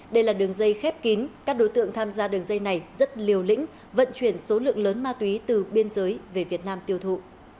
đây là đường dây khép kín các đối tượng tham gia đường dây này rất liều lĩnh vận chuyển số lượng lớn ma túy từ biên giới về việt nam tiêu thụ